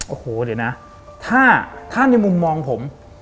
โอ้โหเดี๋ยวนะถ้าในมุมมองผม